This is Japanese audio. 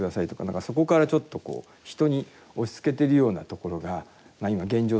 何かそこからちょっとこう人に押しつけてるようなところがまあ今現状